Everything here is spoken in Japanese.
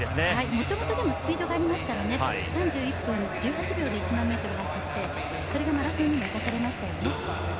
もともとスピードがありますから３１分１８秒で１００００ｍを走ってそれがマラソンでも生かされましたよね。